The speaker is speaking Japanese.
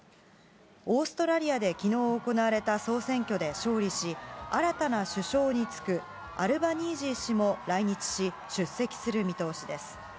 オーストラリアできのう行われた総選挙で勝利し、新たな首相に就くアルバニージー氏も来日し、出席する見通しです。